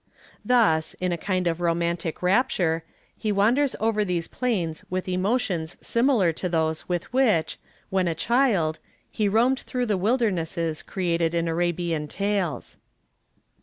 Thus, in a kind of romantic rapture, he wanders over these plains with emotions similar to those with which, when a child, he roamed through the wildernesses created in Arabian tales.